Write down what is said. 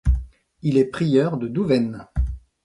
Il est prieur de Douvaine.